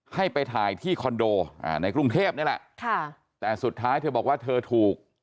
ให้ไปถ่ายที่คอนโดในกรุงเทพนี่แหละค่ะแต่สุดท้ายเธอบอกว่าเธอถูก